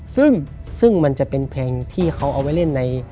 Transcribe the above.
ซึ่งซึ่งมันจะเป็นเพลงที่เขาเอาไว้เล่นใน